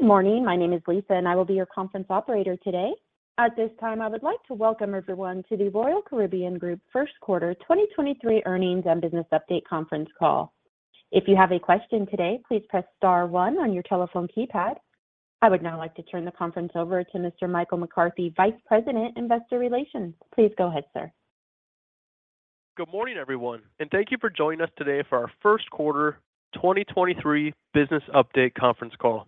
Good morning. My name is Lisa. I will be your conference operator today. At this time, I would like to welcome everyone to the Royal Caribbean Group Q1 2023 earnings and business update conference call. If you have a question today, please press star one on your telephone keypad. I would now like to turn the conference over to Mr. Michael McCarthy, Vice President, Investor Relations. Please go ahead, sir. Good morning, everyone, and thank you for joining us today for our Q1 2023 business update conference call.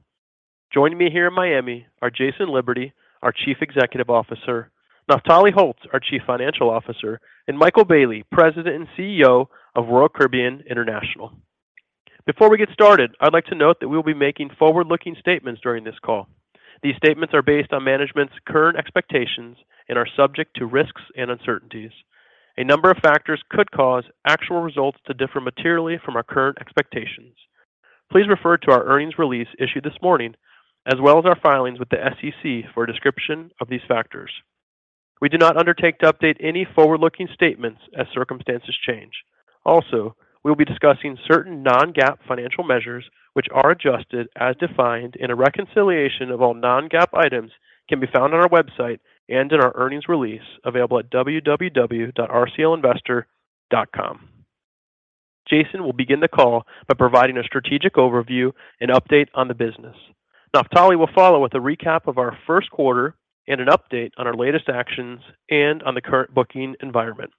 Joining me here in Miami are Jason Liberty, our Chief Executive Officer, Naftali Holtz, our Chief Financial Officer, and Michael Bayley, President and CEO of Royal Caribbean International. Before we get started, I'd like to note that we'll be making forward-looking statements during this call. These statements are based on management's current expectations and are subject to risks and uncertainties. A number of factors could cause actual results to differ materially from our current expectations. Please refer to our earnings release issued this morning, as well as our filings with the SEC for a description of these factors. We do not undertake to update any forward-looking statements as circumstances change. We'll be discussing certain non-GAAP financial measures which are Adjusted as defined in a reconciliation of all non-GAAP items can be found on our website and in our earnings release available at www.rclinvestor.com. Jason will begin the call by providing a strategic overview and update on the business. Naftali will follow with a recap of our Q1 and an update on our latest actions and on the current booking environment.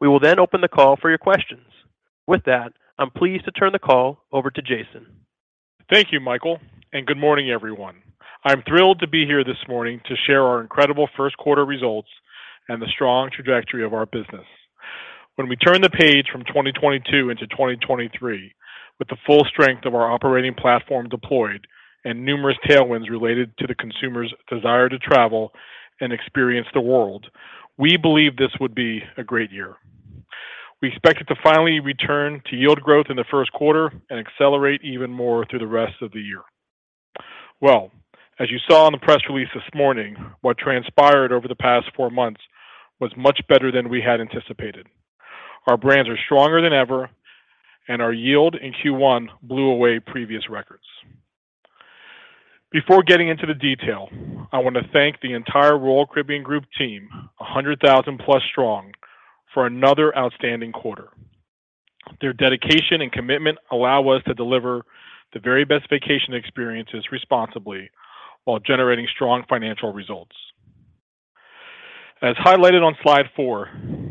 We will open the call for your questions. With that, I'm pleased to turn the call over to Jason. Thank you, Michael. Good morning, everyone. I'm thrilled to be here this morning to share our incredible Q1 results and the strong trajectory of our business. When we turned the page from 2022 into 2023, with the full strength of our operating platform deployed and numerous tailwinds related to the consumer's desire to travel and experience the world, we believe this would be a great year. We expect it to finally return to yield growth in the Q1 and accelerate even more through the rest of the year. Well, as you saw in the press release this morning, what transpired over the past 4 months was much better than we had anticipated. Our brands are stronger than ever, and our yield in Q1 blew away previous records. Before getting into the detail, I want to thank the entire Royal Caribbean Group team, 100,000+ strong for another outstanding quarter. Their dedication and commitment allow us to deliver the very best vacation experiences responsibly while generating strong financial results. As highlighted on slide 4,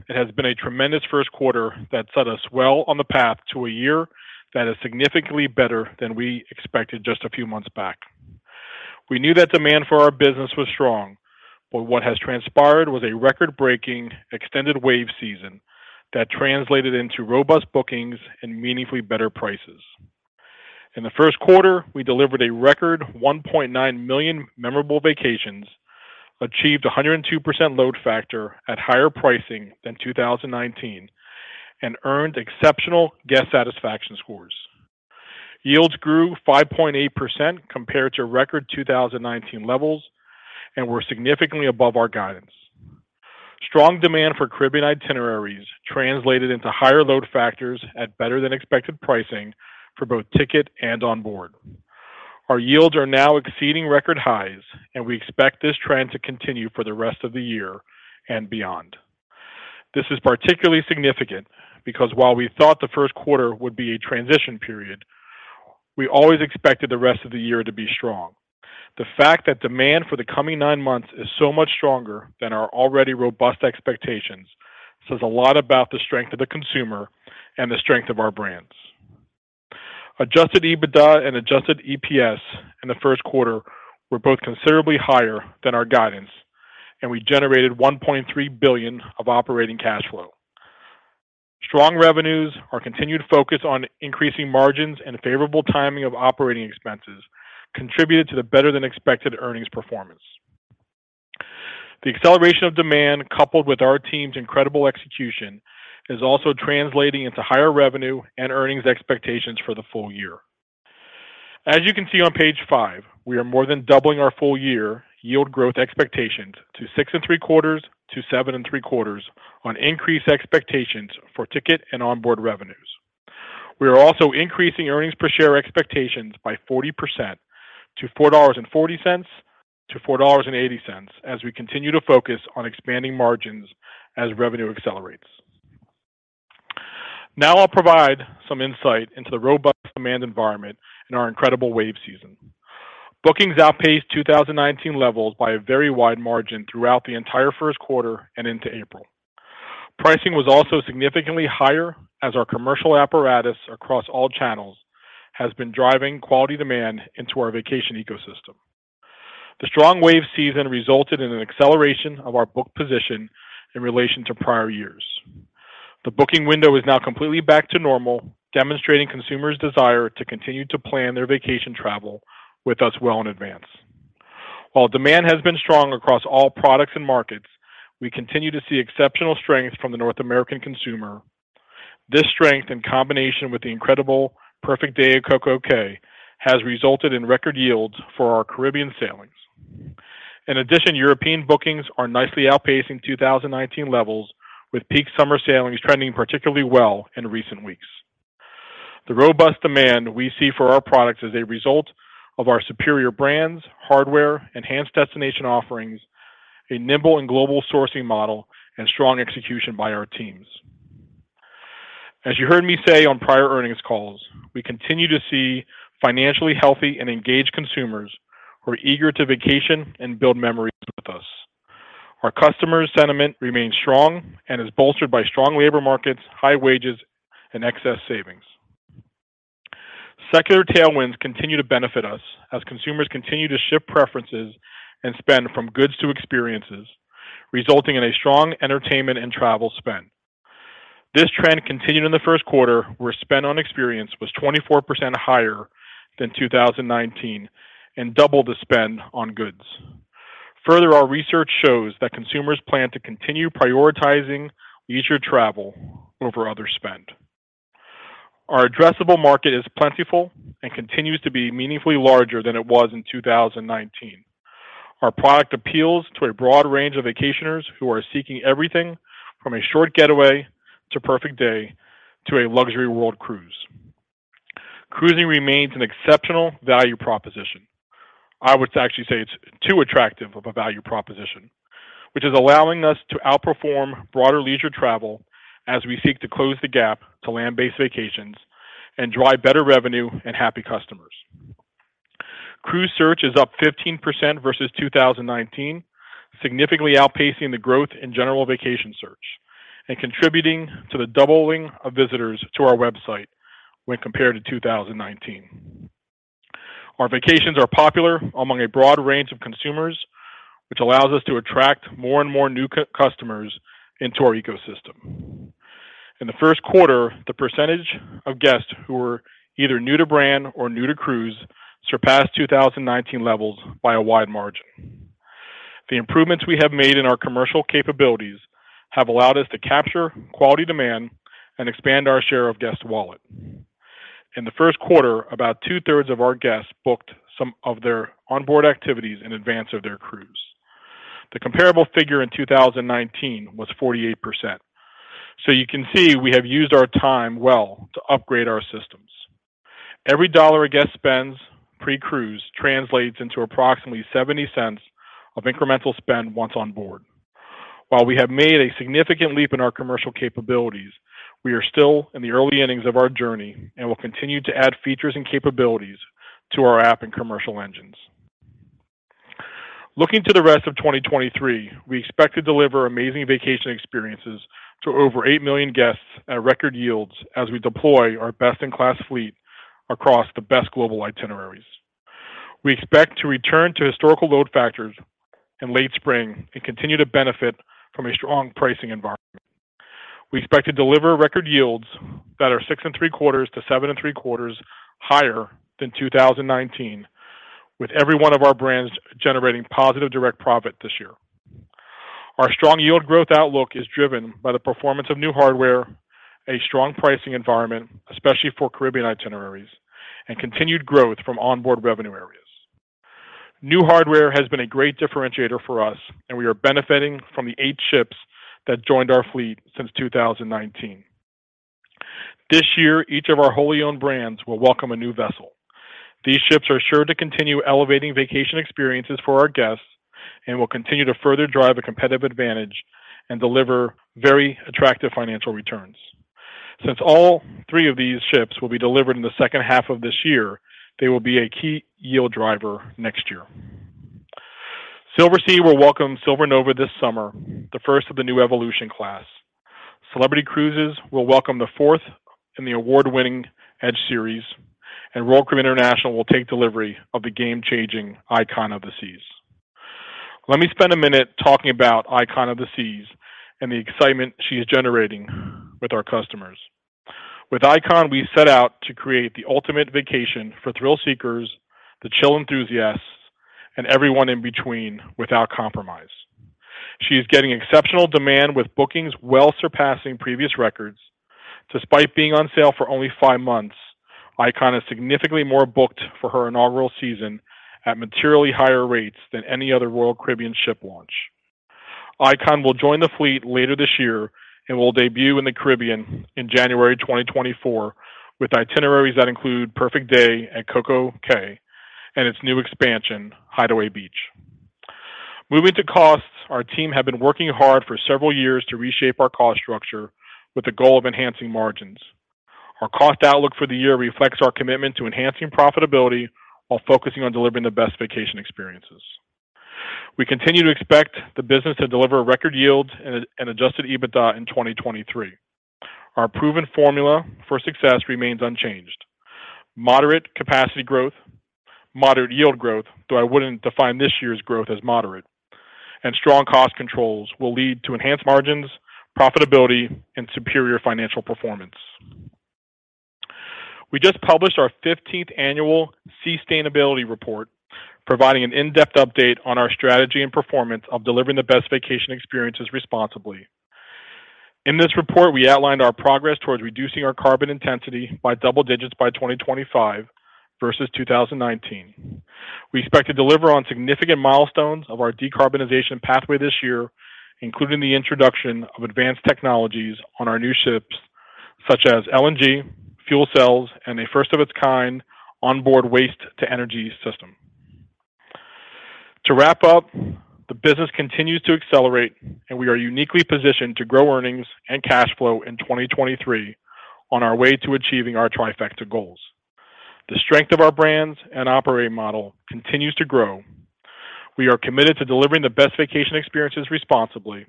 it has been a tremendous Q1 that set us well on the path to a year that is significantly better than we expected just a few months back. We knew that demand for our business was strong, but what has transpired was a record-breaking extended wave season that translated into robust bookings and meaningfully better prices. In the Q1, we delivered a record 1.9 million memorable vacations, achieved a 102% load factor at higher pricing than 2019, and earned exceptional guest satisfaction scores. Yields grew 5.8% compared to record 2019 levels and were significantly above our guidance. Strong demand for Caribbean itineraries translated into higher load factors at better than expected pricing for both ticket and on board. Our yields are now exceeding record highs, and we expect this trend to continue for the rest of the year and beyond. This is particularly significant because while we thought the Q1 would be a transition period, we always expected the rest of the year to be strong. The fact that demand for the coming nine months is so much stronger than our already robust expectations says a lot about the strength of the consumer and the strength of our brands. Adjusted EBITDA and Adjusted EPS in the Q1 were both considerably higher than our guidance, and we generated $1.3 billion of operating cash flow. Strong revenues, our continued focus on increasing margins and favorable timing of operating expenses contributed to the better-than-expected earnings performance. The acceleration of demand, coupled with our team's incredible execution, is also translating into higher revenue and earnings expectations for the full year. As you can see on page 5, we are more than doubling our full year yield growth expectations to 6.75%-7.75% on increased expectations for ticket and onboard revenues. We are also increasing earnings per share expectations by 40% to $4.40-$4.80 as we continue to focus on expanding margins as revenue accelerates. I'll provide some insight into the robust demand environment in our incredible wave season. Bookings outpaced 2019 levels by a very wide margin throughout the entire Q1 and into April. Pricing was also significantly higher as our commercial apparatus across all channels has been driving quality demand into our vacation ecosystem. The strong wave season resulted in an acceleration of our book position in relation to prior years. The booking window is now completely back to normal, demonstrating consumers' desire to continue to plan their vacation travel with us well in advance. While demand has been strong across all products and markets, we continue to see exceptional strength from the North American consumer. This strength, in combination with the incredible Perfect Day at CocoCay, has resulted in record yields for our Caribbean sailings. European bookings are nicely outpacing 2019 levels, with peak summer sailings trending particularly well in recent weeks. The robust demand we see for our products is a result of our superior brands, hardware, enhanced destination offerings, a nimble and global sourcing model, and strong execution by our teams. As you heard me say on prior earnings calls, we continue to see financially healthy and engaged consumers who are eager to vacation and build memories with us. Our customers' sentiment remains strong and is bolstered by strong labor markets, high wages, and excess savings. Secular tailwinds continue to benefit us as consumers continue to shift preferences and spend from goods to experiences, resulting in a strong entertainment and travel spend. This trend continued in the Q1, where spend on experience was 24% higher than 2019 and double the spend on goods. Our research shows that consumers plan to continue prioritizing leisure travel over other spend. Our addressable market is plentiful and continues to be meaningfully larger than it was in 2019. Our product appeals to a broad range of vacationers who are seeking everything from a short getaway to Perfect Day to a luxury world cruise. Cruising remains an exceptional value proposition. I would actually say it's too attractive of a value proposition, which is allowing us to outperform broader leisure travel as we seek to close the gap to land-based vacations and drive better revenue and happy customers. Cruise search is up 15% versus 2019, significantly outpacing the growth in general vacation search and contributing to the doubling of visitors to our website when compared to 2019. Our vacations are popular among a broad range of consumers, which allows us to attract more and more new customers into our ecosystem. In the Q1, the percentage of guests who were either new to brand or new to cruise surpassed 2019 levels by a wide margin. The improvements we have made in our commercial capabilities have allowed us to capture quality demand and expand our share of guest wallet. In the Q1, about 2/3 of our guests booked some of their onboard activities in advance of their cruise. The comparable figure in 2019 was 48%. You can see we have used our time well to upgrade our systems. Every dollar a guest spends pre-cruise translates into approximately $0.70 of incremental spend once on board. While we have made a significant leap in our commercial capabilities, we are still in the early innings of our journey and will continue to add features and capabilities to our app and commercial engines. Looking to the rest of 2023, we expect to deliver amazing vacation experiences to over 8 million guests at record yields as we deploy our best-in-class fleet across the best global itineraries. We expect to return to historical load factors in late spring and continue to benefit from a strong pricing environment. We expect to deliver record yields that are 6.75%-7.75% higher than 2019, with every one of our brands generating positive direct profit this year. Our strong yield growth outlook is driven by the performance of new hardware, a strong pricing environment, especially for Caribbean itineraries, and continued growth from onboard revenue areas. New hardware has been a great differentiator for us, and we are benefiting from the eight ships that joined our fleet since 2019. This year, each of our wholly owned brands will welcome a new vessel. These ships are sure to continue elevating vacation experiences for our guests and will continue to further drive a competitive advantage and deliver very attractive financial returns. Since all three of these ships will be delivered in the second half of this year, they will be a key yield driver next year. Silversea will welcome Silver Nova this summer, the first of the new Evolution Class. Celebrity Cruises will welcome the fourth in the award-winning Edge Series. Royal Caribbean International will take delivery of the game-changing Icon of the Seas. Let me spend a minute talking about Icon of the Seas and the excitement she is generating with our customers. With Icon, we set out to create the ultimate vacation for thrill-seekers, the chill enthusiasts, and everyone in between without compromise. She is getting exceptional demand with bookings well surpassing previous records. Despite being on sale for only five months, Icon is significantly more booked for her inaugural season at materially higher rates than any other Royal Caribbean ship launch. Icon will join the fleet later this year and will debut in the Caribbean in January 2024 with itineraries that include Perfect Day at CocoCay and its new expansion, Hideaway Beach. Moving to costs, our team have been working hard for several years to reshape our cost structure with the goal of enhancing margins. Our cost outlook for the year reflects our commitment to enhancing profitability while focusing on delivering the best vacation experiences. We continue to expect the business to deliver record yields and Adjusted EBITDA in 2023. Our proven formula for success remains unchanged. Moderate capacity growth, moderate yield growth, though I wouldn't define this year's growth as moderate, and strong cost controls will lead to enhanced margins, profitability, and superior financial performance. We just published our 15th annual Seastainability Report, providing an in-depth update on our strategy and performance of delivering the best vacation experiences responsibly. In this report, we outlined our progress towards reducing our carbon intensity by double digits by 2025 versus 2019. We expect to deliver on significant milestones of our decarbonization pathway this year, including the introduction of advanced technologies on our new ships such as LNG fuel cells and a first of its kind on-board waste-to-energy system. To wrap up, the business continues to accelerate, and we are uniquely positioned to grow earnings and cash flow in 2023 on our way to achieving our Trifecta goals. The strength of our brands and operating model continues to grow. We are committed to delivering the best vacation experiences responsibly,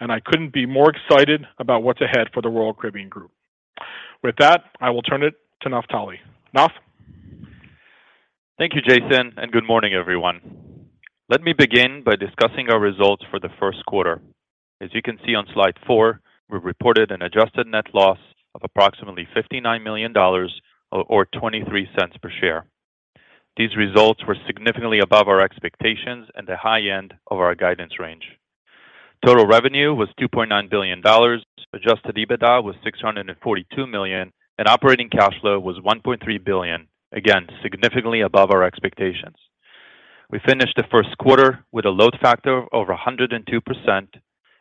and I couldn't be more excited about what's ahead for the Royal Caribbean Group. With that, I will turn it to Naftali. Naft? Thank you, Jason. Good morning, everyone. Let me begin by discussing our results for the Q1. As you can see on Slide 4, we reported an Adjusted Net Loss of approximately $59 million or $0.23 per share. These results were significantly above our expectations at the high end of our guidance range. Total revenue was $2.9 billion. Adjusted EBITDA was $642 million, and operating cash flow was $1.3 billion, again, significantly above our expectations. We finished the Q1 with a load factor of over 102%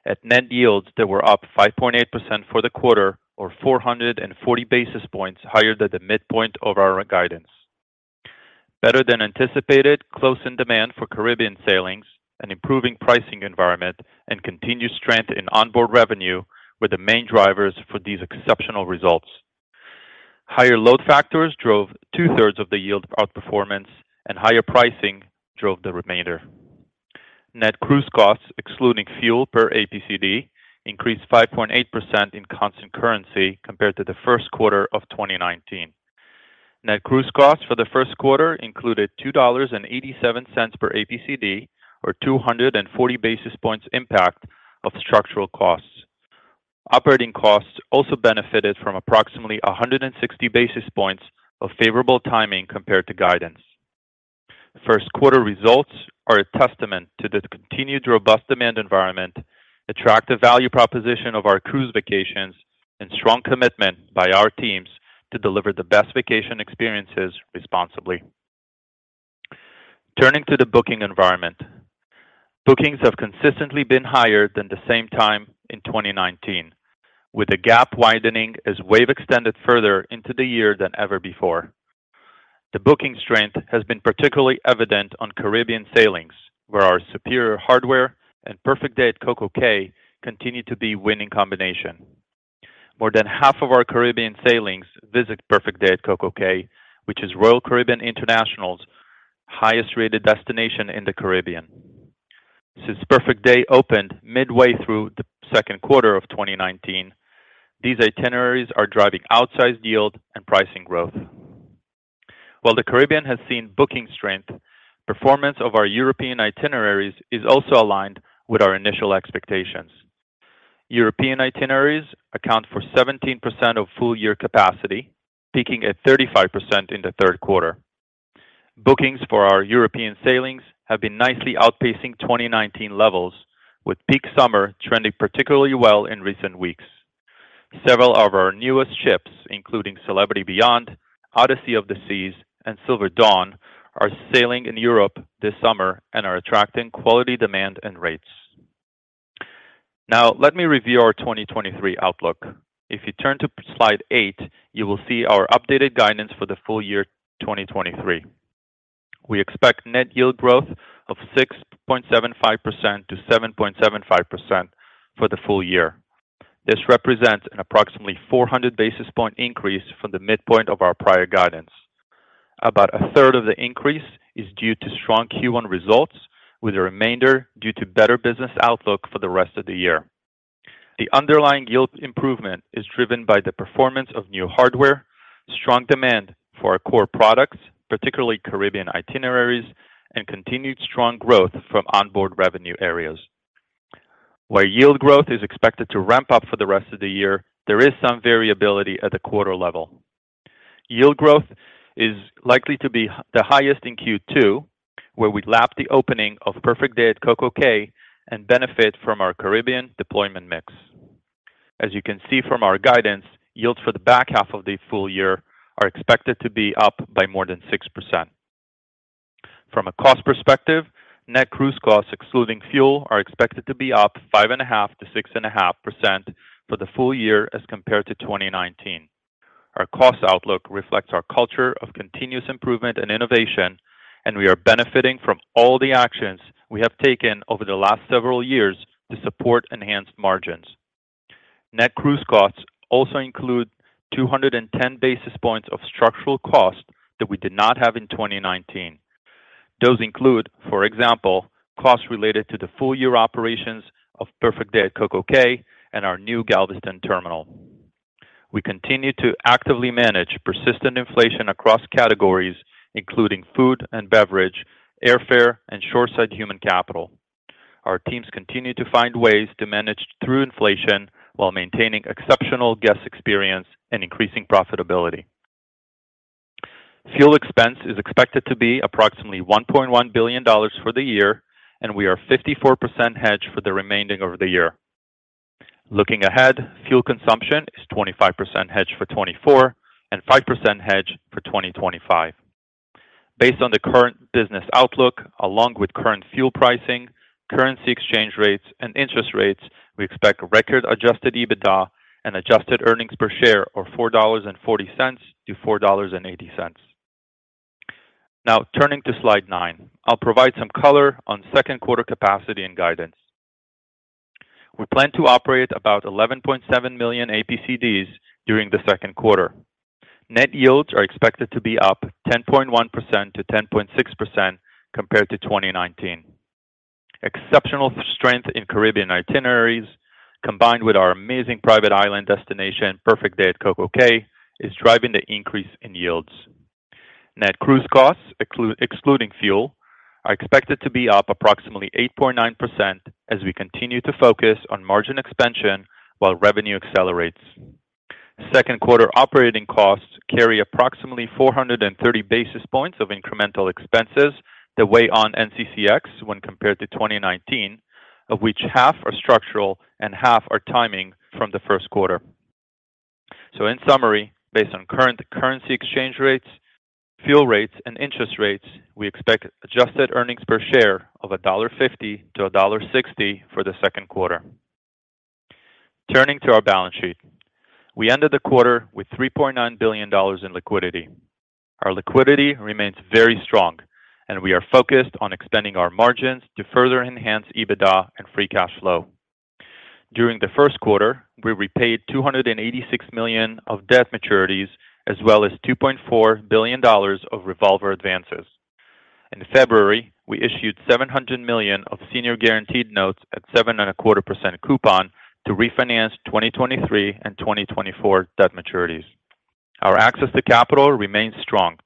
at net yields that were up 5.8% for the quarter or 440 basis points higher than the midpoint of our guidance. Better than anticipated close-in demand for Caribbean sailings and improving pricing environment and continued strength in onboard revenue were the main drivers for these exceptional results. Higher load factors drove two-thirds of the yield outperformance and higher pricing drove the remainder. Net cruise costs excluding fuel per APCD increased 5.8% in constant currency compared to the Q1 of 2019. Net cruise costs for the Q1 included $2.87 per APCD or 240 basis points impact of structural costs. Operating costs also benefited from approximately 160 basis points of favorable timing compared to guidance. Q1 results are a testament to the continued robust demand environment, attractive value proposition of our cruise vacations, and strong commitment by our teams to deliver the best vacation experiences responsibly. Turning to the booking environment. Bookings have consistently been higher than the same time in 2019, with a gap widening as wave extended further into the year than ever before. The booking strength has been particularly evident on Caribbean sailings, where our superior hardware and Perfect Day at CocoCay continue to be winning combination. More than half of our Caribbean sailings visit Perfect Day at CocoCay, which is Royal Caribbean International's highest-rated destination in the Caribbean. Since Perfect Day opened midway through the Q2 of 2019, these itineraries are driving outsized yield and pricing growth. While the Caribbean has seen booking strength, performance of our European itineraries is also aligned with our initial expectations. European itineraries account for 17% of full-year capacity, peaking at 35% in the Q3. Bookings for our European sailings have been nicely outpacing 2019 levels, with peak summer trending particularly well in recent weeks. Several of our newest ships, including Celebrity Beyond, Odyssey of the Seas, and Silver Dawn, are sailing in Europe this summer and are attracting quality demand and rates. Let me review our 2023 outlook. If you turn to slide 8, you will see our updated guidance for the full year 2023. We expect net yield growth of 6.75%-7.75% for the full year. This represents an approximately 400 basis point increase from the midpoint of our prior guidance. About a third of the increase is due to strong Q1 results, with the remainder due to better business outlook for the rest of the year. The underlying yield improvement is driven by the performance of new hardware, strong demand for our core products, particularly Caribbean itineraries, and continued strong growth from onboard revenue areas. Where yield growth is expected to ramp up for the rest of the year, there is some variability at the quarter level. Yield growth is likely to be the highest in Q2, where we lap the opening of Perfect Day at CocoCay and benefit from our Caribbean deployment mix. As you can see from our guidance, yields for the back half of the full year are expected to be up by more than 6%. From a cost perspective, net cruise costs excluding fuel are expected to be up 5.5%-6.5% for the full year as compared to 2019. Our cost outlook reflects our culture of continuous improvement and innovation, and we are benefiting from all the actions we have taken over the last several years to support enhanced margins. Net cruise costs also include 210 basis points of structural cost that we did not have in 2019. Those include, for example, costs related to the full-year operations of Perfect Day at CocoCay and our new Galveston terminal. We continue to actively manage persistent inflation across categories, including food and beverage, airfare, and shoreside human capital. Our teams continue to find ways to manage through inflation while maintaining exceptional guest experience and increasing profitability. Fuel expense is expected to be approximately $1.1 billion for the year, and we are 54% hedged for the remaining of the year. Looking ahead, fuel consumption is 25% hedged for 2024 and 5% hedged for 2025. Based on the current business outlook, along with current fuel pricing, currency exchange rates, and interest rates, we expect record Adjusted EBITDA and Adjusted earnings per share of $4.40-$4.80. Now turning to slide nine. I'll provide some color on Q2 capacity and guidance. We plan to operate about 11.7 million APCDs during the Q2. Net yields are expected to be up 10.1%-10.6% compared to 2019. Exceptional strength in Caribbean itineraries, combined with our amazing private island destination, Perfect Day at CocoCay, is driving the increase in yields. Net cruise costs excluding fuel are expected to be up approximately 8.9% as we continue to focus on margin expansion while revenue accelerates. Q2 operating costs carry approximately 430 basis points of incremental expenses that weigh on NCCX when compared to 2019, of which half are structural and half are timing from the Q1. In summary, based on current currency exchange rates, fuel rates, and interest rates, we expect Adjusted earnings per share of $1.50-$1.60 for the Q2. Turning to our balance sheet. We ended the quarter with $3.9 billion in liquidity. Our liquidity remains very strong, and we are focused on expanding our margins to further enhance EBITDA and free cash flow. During the Q1, we repaid $286 million of debt maturities as well as $2.4 billion of revolver advances. In February, we issued $700 million of senior guaranteed notes at 7 and a quarter percent coupon to refinance 2023 and 2024 debt maturities. Our access to capital remains strong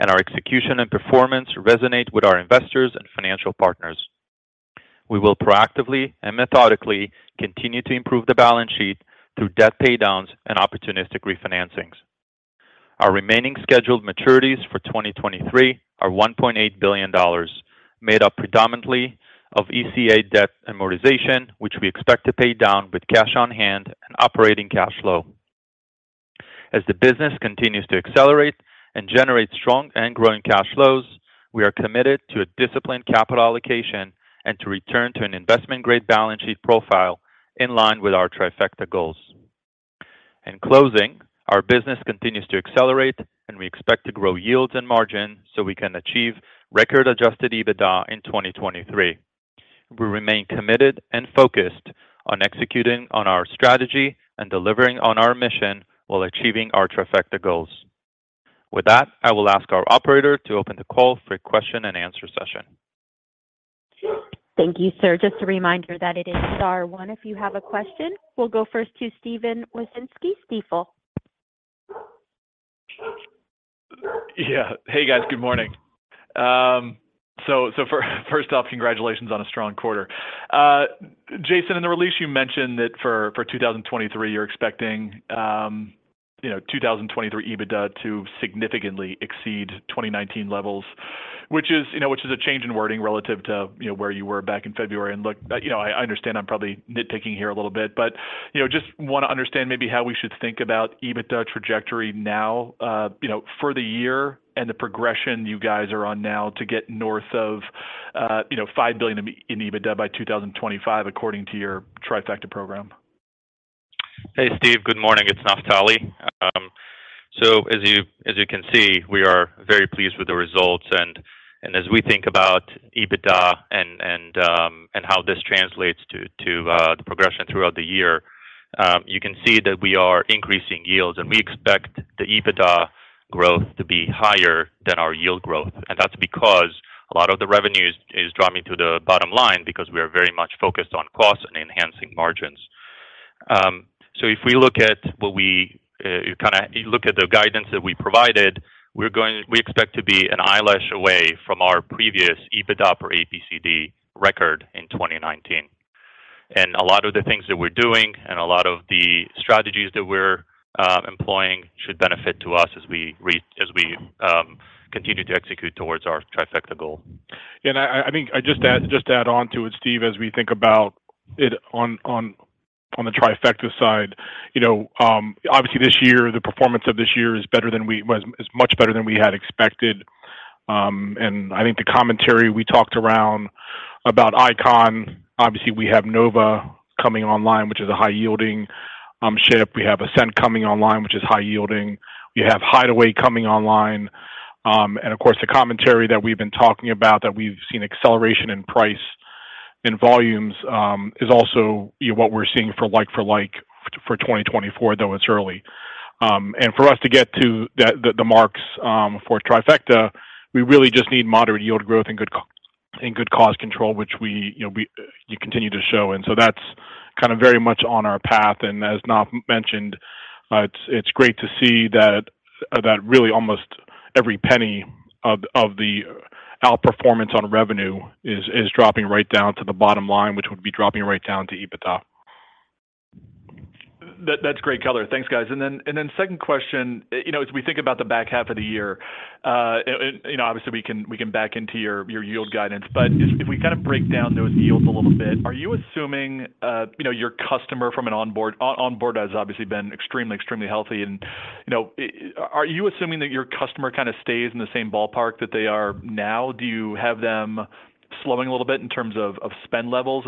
and our execution and performance resonate with our investors and financial partners. We will proactively and methodically continue to improve the balance sheet through debt pay downs and opportunistic refinancings. Our remaining scheduled maturities for 2023 are $1.8 billion, made up predominantly of ECA debt amortization, which we expect to pay down with cash on hand and operating cash flow. As the business continues to accelerate and generate strong and growing cash flows, we are committed to a disciplined capital allocation and to return to an investment-grade balance sheet profile in line with our Trifecta goals. In closing, our business continues to accelerate, and we expect to grow yields and margin so we can achieve record Adjusted EBITDA in 2023. We remain committed and focused on executing on our strategy and delivering on our mission while achieving our Trifecta goals. With that, I will ask our operator to open the call for a question and answer session. Thank you, sir. Just a reminder that it is star one if you have a question. We'll go first to Steven Wieczynski, Stifel. Yeah. Hey, guys. Good morning. First off, congratulations on a strong quarter. Jason, in the release you mentioned that for 2023, you're expecting, you know, 2023 EBITDA to significantly exceed 2019 levels, which is, you know, a change in wording relative to, you know, where you were back in February. Look, you know, I understand I'm probably nitpicking here a little bit, but, you know, just wanna understand maybe how we should think about EBITDA trajectory now, you know, for the year and the progression you guys are on now to get north of, you know, $5 billion in EBITDA by 2025 according to your Trifecta program. Hey, Steve. Good morning. It's Naftali. As you can see, we are very pleased with the results and as we think about EBITDA and how this translates to the progression throughout the year, you can see that we are increasing yields, and we expect the EBITDA growth to be higher than our yield growth. That's because a lot of the revenues is dropping to the bottom line because we are very much focused on costs and enhancing margins. If we look at what we, you look at the guidance that we provided, we expect to be an eyelash away from our previous EBITDA per APCD record in 2019. A lot of the things that we're doing and a lot of the strategies that we're employing should benefit to us as we continue to execute towards our Trifecta goal. I think I just add on to it, Steve, as we think about it on the Trifecta side, you know, obviously this year, the performance of this year is much better than we had expected. I think the commentary we talked around about Icon, obviously we have Nova coming online, which is a high-yielding ship. We have Ascent coming online, which is high-yielding. We have Hideaway coming online. Of course, the commentary that we've been talking about that we've seen acceleration in price and volumes is also, you know, what we're seeing for like for like for 2024, though it's early. For us to get to the marks for Trifecta, we really just need moderate yield growth and good cost control, which we, you know, we, you continue to show. So that's kind of very much on our path. As Naft mentioned, it's great to see that really almost every penny of the outperformance on revenue is dropping right down to the bottom line, which would be dropping right down to EBITDA. That's great color. Thanks, guys. Then, second question, you know, as we think about the back half of the year, and, you know, obviously we can, we can back into your yield guidance, but if we kind of break down those yields a little bit, are you assuming, you know, your customer from an onboard has obviously been extremely healthy and, you know, are you assuming that your customer kind of stays in the same ballpark that they are now? Do you have them slowing a little bit in terms of spend levels?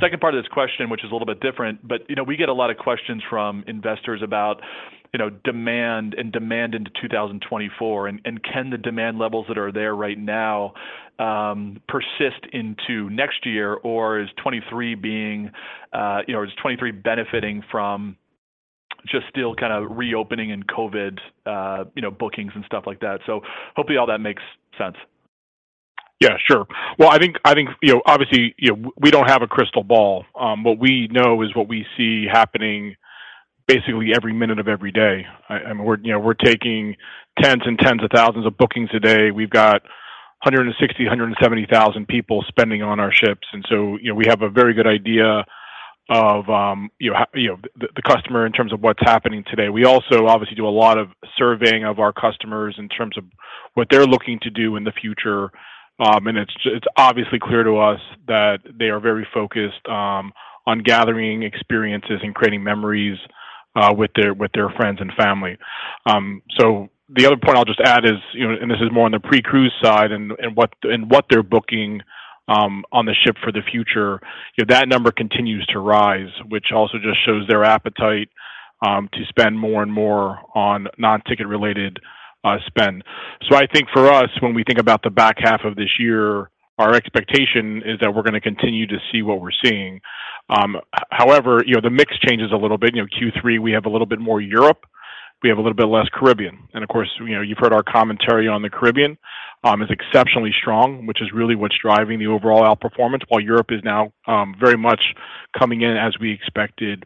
Second part of this question, which is a little bit different, but, you know, we get a lot of questions from investors about, you know, demand and demand into 2024, and can the demand levels that are there right now persist into next year or is 23 being, you know, is 23 benefiting from just still kind of reopening and COVID, you know, bookings and stuff like that? Hopefully all that makes sense. Yeah, sure. Well, I think, you know, obviously, you know, we don't have a crystal ball. What we know is what we see happening basically every minute of every day. I mean, we're, you know, we're taking tens and tens of thousands of bookings a day. We've got 160,000, 170,000 people spending on our ships. You know, we have a very good idea of, you know, the customer in terms of what's happening today. We also obviously do a lot of surveying of our customers in terms of what they're looking to do in the future. It's obviously clear to us that they are very focused on gathering experiences and creating memories with their friends and family. The other point I'll just add is, you know, and this is more on the pre-cruise side and what, and what they're booking on the ship for the future, you know, that number continues to rise, which also just shows their appetite to spend more and more on non-ticket related spend. I think for us, when we think about the back half of this year, our expectation is that we're going to continue to see what we're seeing. However, you know, the mix changes a little bit. You know, Q3, we have a little bit more Europe, we have a little bit less Caribbean. Of course, you know, you've heard our commentary on the Caribbean is exceptionally strong, which is really what's driving the overall outperformance, while Europe is now very much coming in as we expected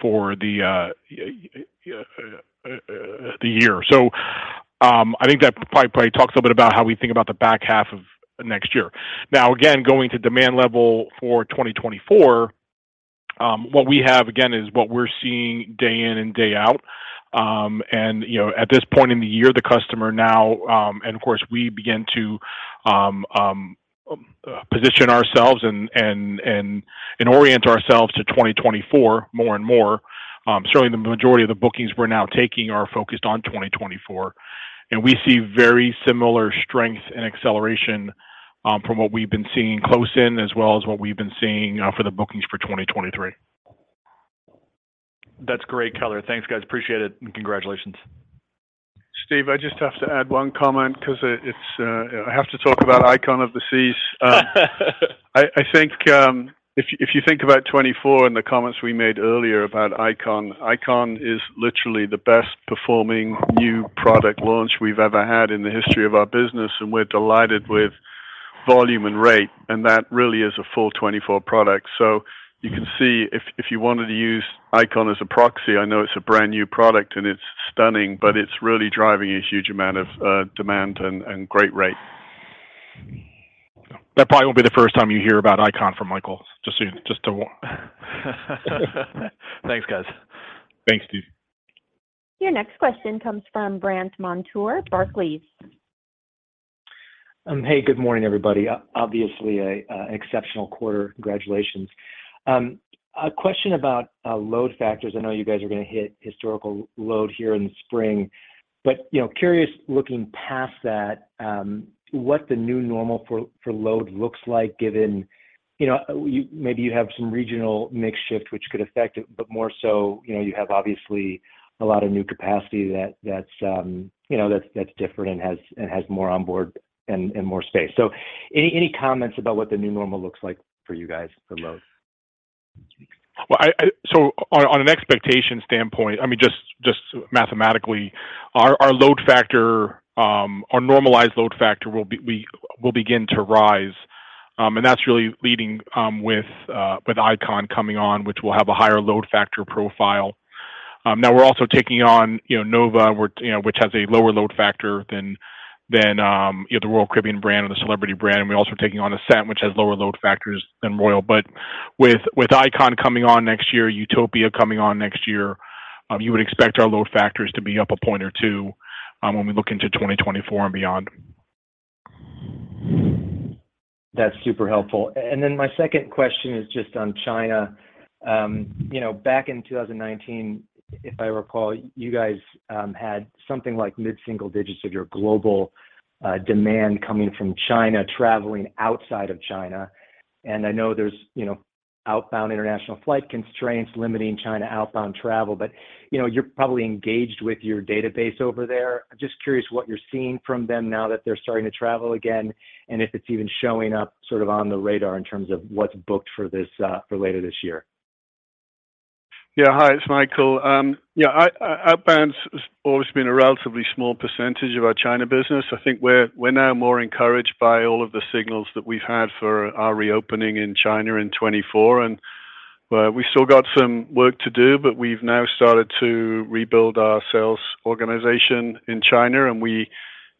for the year. I think that probably talks a little bit about how we think about the back half of next year. Again, going to demand level for 2024, what we have again is what we're seeing day in and day out. You know, at this point in the year, the customer now, and of course, we begin to position ourselves and orient ourselves to 2024 more and more, certainly the majority of the bookings we're now taking are focused on 2024. We see very similar strength and acceleration, from what we've been seeing close in as well as what we've been seeing, for the bookings for 2023. That's great color. Thanks, guys. Appreciate it. Congratulations. Steve, I just have to add one comment because it's, I have to talk about Icon of the Seas. I think, if you think about 2024 and the comments we made earlier about Icon is literally the best performing new product launch we've ever had in the history of our business, and we're delighted with volume and rate, and that really is a full 2024 product. You can see if you wanted to use Icon as a proxy, I know it's a brand-new product and it's stunning, but it's really driving a huge amount of demand and great rate. That probably won't be the first time you hear about Icon from Michael. Thanks, guys. Thanks, Steve. Your next question comes from Brandt Montour, Barclays. Hey, good morning, everybody. Obviously, a exceptional quarter. Congratulations. A question about load factors. I know you guys are gonna hit historical load here in spring, but, you know, curious looking past that, what the new normal for load looks like given, you know, you maybe you have some regional mix shift which could affect it, but more so, you know, you have obviously a lot of new capacity that's, you know, that's different and has more onboard and more space. Any comments about what the new normal looks like for you guys for load? Well, I on an expectation standpoint, I mean, just mathematically, our load factor, our normalized load factor will begin to rise. That's really leading with Icon coming on, which will have a higher load factor profile. Now we're also taking on, you know, Nova, which, you know, which has a lower load factor than the Royal Caribbean brand or the Celebrity brand. We're also taking on Ascent, which has lower load factors than Royal. With Icon coming on next year, Utopia coming on next year, you would expect our load factors to be up a point or two when we look into 2024 and beyond. That's super helpful. My second question is just on China. You know, back in 2019, if I recall, you guys had something like mid-single digits of your global demand coming from China, traveling outside of China. I know there's, you know, outbound international flight constraints limiting China outbound travel, but, you know, you're probably engaged with your database over there. Just curious what you're seeing from them now that they're starting to travel again, and if it's even showing up sort of on the radar in terms of what's booked for this for later this year. Yeah. Hi, it's Michael. Yeah, I outbound's always been a relatively small percentage of our China business. I think we're now more encouraged by all of the signals that we've had for our reopening in China in 2024. We've still got some work to do. We've now started to rebuild our sales organization in China. We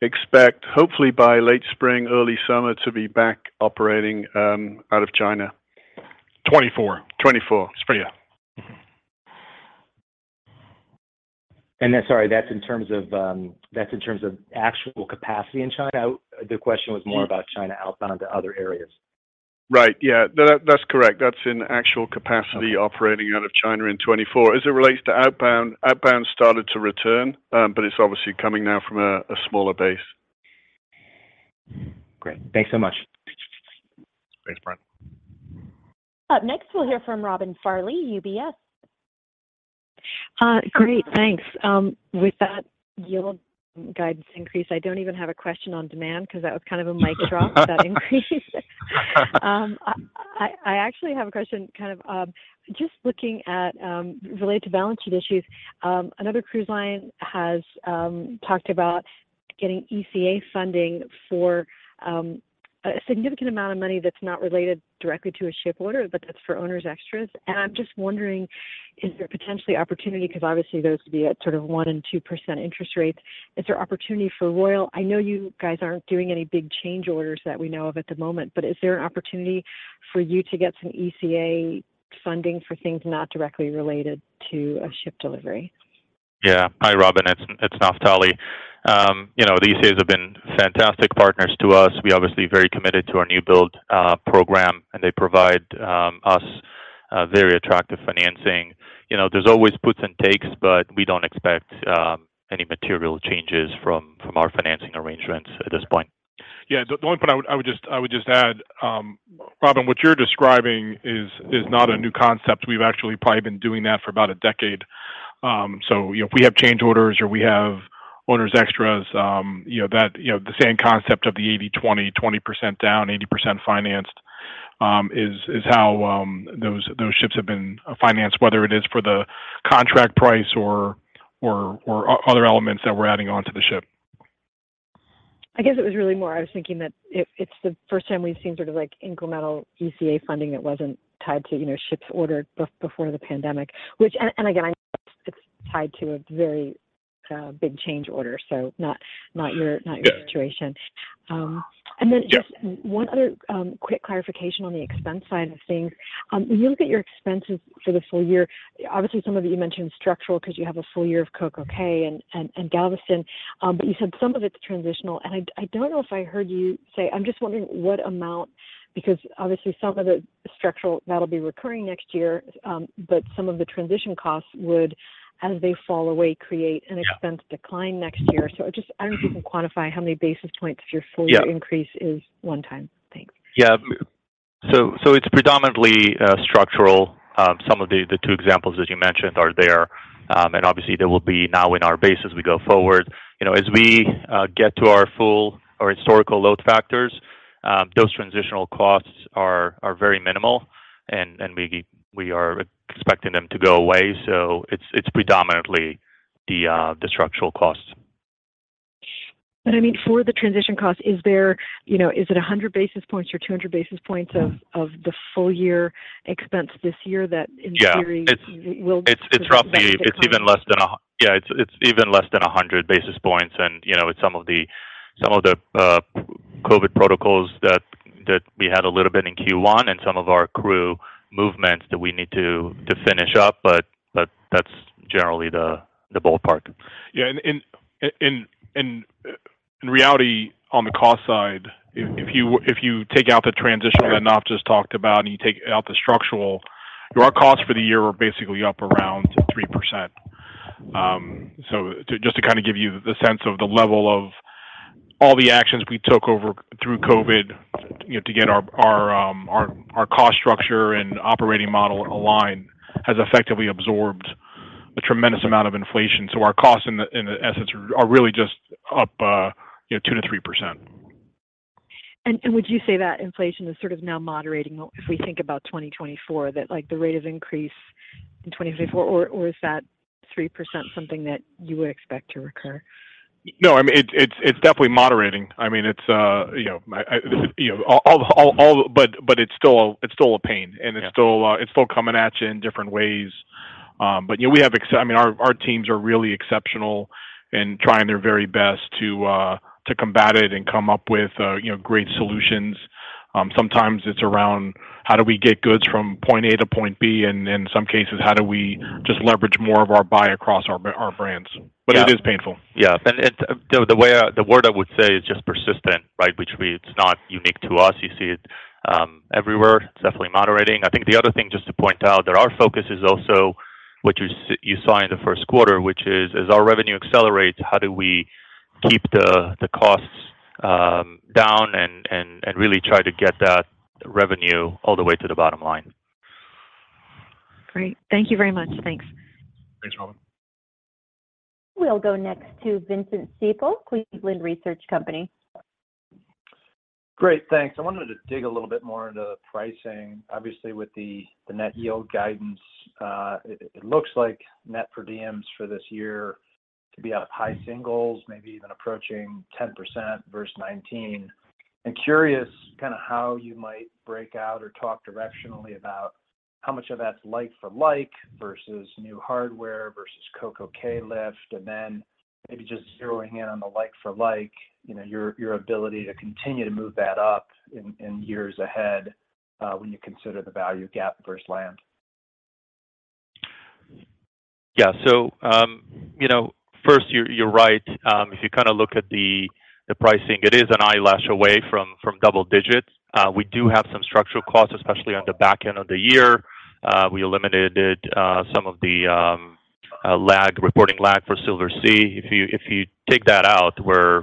expect hopefully by late spring, early summer to be back operating out of China. 2024. 2024. Spring. Sorry, that's in terms of actual capacity in China? The question was more about China outbound to other areas. Right. Yeah. That, that's correct. That's in actual capacity. Okay. -operating out of China in 2024. As it relates to outbound started to return, but it's obviously coming now from a smaller base. Great. Thanks so much. Thanks, Brandt. Up next, we'll hear from Robin Farley, UBS. Great. Thanks. With that yield guidance increase, I don't even have a question on demand because that was kind of a mic drop with that increase. I actually have a question kind of, just looking at, related to balance sheet issues. Another cruise line has talked about getting ECA funding for a significant amount of money that's not related directly to a ship order, but that's for owners extras. I'm just wondering, is there potentially opportunity, 'cause obviously those would be at sort of 1% and 2% interest rates. Is there opportunity for Royal? I know you guys aren't doing any big change orders that we know of at the moment, but is there an opportunity for you to get some ECA funding for things not directly related to a ship delivery? Yeah, Hi, Robin. It's Naftali. You know, the ECAs have been fantastic partners to us. We're obviously very committed to our new build program, and they provide us very attractive financing. You know, there's always puts and takes, but we don't expect any material changes from our financing arrangements at this point. The only point I would just add, Robin, what you're describing is not a new concept. We've actually probably been doing that for about a decade. You know, if we have change orders or we have owners extras, the same concept of the eighty-twenty, 20% down, 80% financed, is how those ships have been financed, whether it is for the contract price or other elements that we're adding onto the ship. I guess it was really more I was thinking that it's the first time we've seen sort of like incremental ECA funding that wasn't tied to, you know, ships ordered before the pandemic, which. Again, I know it's tied to a very big change order, so not your. Yeah. situation. And then- Yeah. -just one other, quick clarification on the expense side of things. When you look at your expenses for the full year, obviously, some of it you mentioned structural because you have a full year of CocoCay and Galveston, but you said some of it's transitional. I don't know if I heard you say... I'm just wondering what amount, because obviously some of the structural, that'll be recurring next year, but some of the transition costs would, as they fall away, create- Yeah. an expense decline next year. I don't know if you can quantify how many basis points of your full year- Yeah. increase is one time. Thanks. Yeah. It's predominantly structural. Some of the two examples that you mentioned are there. Obviously there will be now in our base as we go forward. You know, as we get to our full or historical load factors, those transitional costs are very minimal and we are expecting them to go away. It's predominantly the structural costs. I mean, for the transition cost, is there, you know, is it 100 basis points or 200 basis points of the full year expense this year that in theory? Yeah. -will- It's roughly- be back declined? It's even less than 100 basis points and, you know, with some of the COVID protocols that we had a little bit in Q1 and some of our crew movements that we need to finish up, but that's generally the ballpark. Yeah. in reality, on the cost side, if you take out the transition- Right. that Naft just talked about and you take out the structural, our costs for the year are basically up around 3%. Just to kind of give you the sense of the level of all the actions we took over through COVID, you know, to get our cost structure and operating model aligned has effectively absorbed a tremendous amount of inflation. Our costs in the essence are really just up, you know, 2%-3%. Would you say that inflation is sort of now moderating if we think about 2024, that like the rate of increase in 2024, or is that 3% something that you would expect to recur? No. I mean, it's, it's definitely moderating. I mean, it's, you know, You know, it's still a pain. Yeah. It's still, it's still coming at you in different ways. You know, we have I mean, our teams are really exceptional in trying their very best to combat it and come up with, you know, great solutions. Sometimes it's around how do we get goods from point A to point B, and in some cases, how do we just leverage more of our buy across our brands. Yeah. It is painful. The word I would say is just persistent, right? It's not unique to us. You see it everywhere. It's definitely moderating. I think the other thing just to point out that our focus is also what you saw in the Q1, which is, as our revenue accelerates, how do we keep the costs down and really try to get that revenue all the way to the bottom line. Great. Thank you very much. Thanks. Thanks, Robin. We'll go next to Vince Ciepiel, Cleveland Research Company. Great. Thanks. I wanted to dig a little bit more into pricing. Obviously, with the net yield guidance, it looks like net per diems for this year to be out of high singles, maybe even approaching 10% versus 2019. I'm curious kind of how you might break out or talk directionally about how much of that's like for like, versus new hardware versus CocoCay lift, and then maybe just zeroing in on the like for like, you know, your ability to continue to move that up in years ahead, when you consider the value gap versus land. Yeah. First, you're right. If you kind of look at the pricing, it is an eyelash away from double digits. We do have some structural costs, especially on the back end of the year. We eliminated some of the reporting lag for Silversea. If you take that out, we're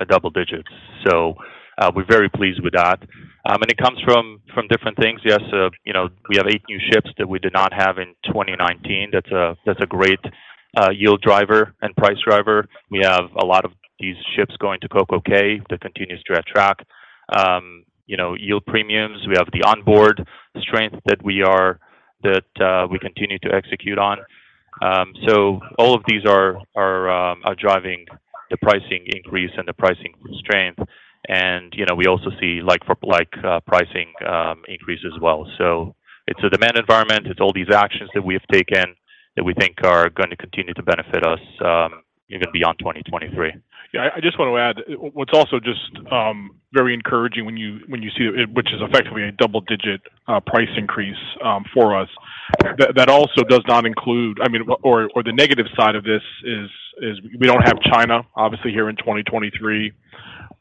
at double digits. We're very pleased with that. It comes from different things. Yes, we have 8 new ships that we did not have in 2019. That's a great yield driver and price driver. We have a lot of these ships going to CocoCay that continues to attract yield premiums. We have the onboard strength that we continue to execute on. All of these are driving the pricing increase and the pricing strength. You know, we also see like for like pricing increase as well. It's a demand environment. It's all these actions that we have taken that we think are gonna continue to benefit us even beyond 2023. Yeah. I just wanna add, what's also just very encouraging when you see, which is effectively a double-digit price increase for us, that also does not include... I mean, or the negative side of this is we don't have China, obviously, here in 2023,